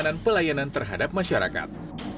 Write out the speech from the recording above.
dan juga untuk melayanan terhadap masyarakat